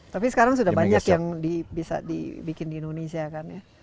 tapi sekarang sudah banyak yang bisa dibikin di indonesia kan ya